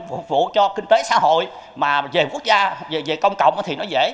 phục vụ cho kinh tế xã hội mà về quốc gia về công cộng thì nó dễ